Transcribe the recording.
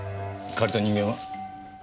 借りた人間は？